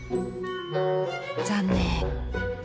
残念！